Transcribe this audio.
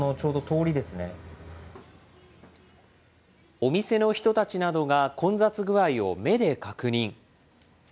お店の人たちなどが、混雑具合を目で確認。